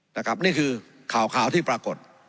นี่คือข่าวที่ปรากฏ